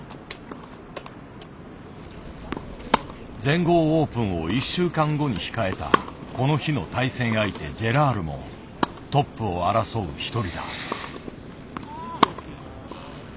全豪オープンを１週間後に控えたこの日の対戦相手ジェラールもトップを争う一人だ。